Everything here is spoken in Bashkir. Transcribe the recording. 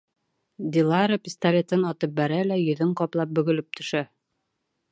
Дилара пистолетын атып бәрә лә йөҙөн ҡаплап бөгөлөп төшә.